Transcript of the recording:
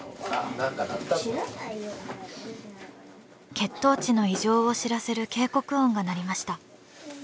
血糖値の異常を知らせる警告音が鳴りました。